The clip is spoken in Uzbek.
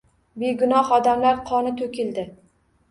Begunoh odamlar qoni toʻkildi